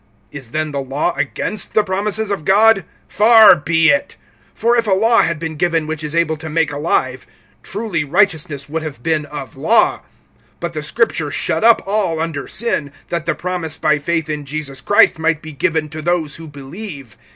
(21)Is then the law against the promises of God? Far be it! For if a law had been given which is able to make alive, truly righteousness would have been of law. (22)But the Scripture shut up all under sin, that the promise by faith in Jesus Christ might be given to those who believe.